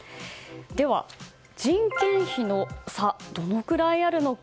では、人件費の差どのくらいあるのか。